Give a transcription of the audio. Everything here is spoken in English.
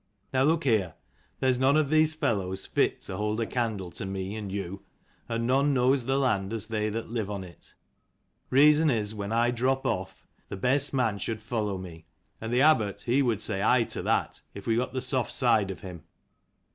Now, look here. There's none of these fellows fit to hold a candle to me and you, and none knows the land as they that live on it. Reason is when I drop off the best man should follow me ; and the abbot, he would say aye to that, if we got the soft side of him.